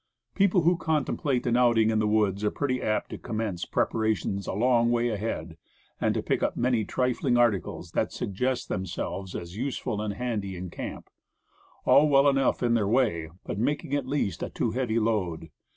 People who contemplate an outing in the woods are pretty apt to commence preparations a long way ahead, and to pick up many trifling articles that sug Preparations. 7 gest themselves as useful and handy in camp; all well enough in their way, but making at last a too heavy load.